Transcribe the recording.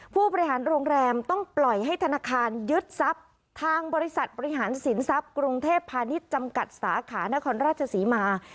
ผู้บริหารโรงแรมต้องปล่อยให้ธนาคารยึดทรัพย์ทางบริษัทบริหารสินทรัพย์กรุงเทพพาณิชย์จำกัดสาขานครราชศรีมา